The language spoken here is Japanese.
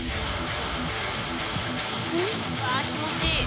うわ気持ちいい。